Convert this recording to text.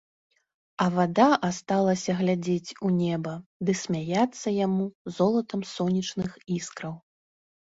А вада асталася глядзець у неба ды смяяцца яму золатам сонечных іскраў.